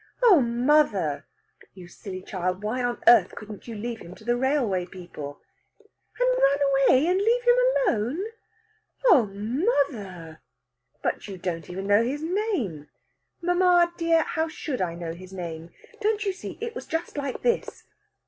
Oh, mother!" "You silly child! Why on earth couldn't you leave him to the railway people?" "And run away and leave him alone? Oh, mother!" "But you don't even know his name." "Mamma, dear, how should I know his name? Don't you see, it was just like this."